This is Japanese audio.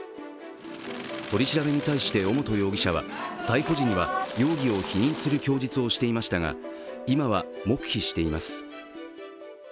取り調べに対して尾本容疑者は逮捕時には容疑を否認する供述をしていましたが今は黙秘しています。